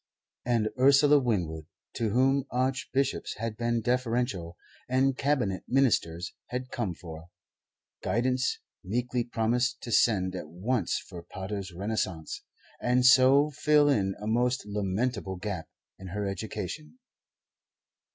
And Ursula Winwood, to whom Archbishops had been deferential and Cabinet Ministers had come for, guidance, meekly promised to send at once for Pater's 'Renaissance' and so fill in a most lamentable gap in her education.